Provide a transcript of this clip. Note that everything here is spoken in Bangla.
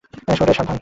শোন রে, সাবধানে।